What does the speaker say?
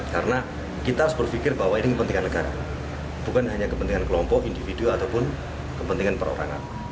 karena kita harus berpikir bahwa ini kepentingan negara bukan hanya kepentingan kelompok individu ataupun kepentingan perorangan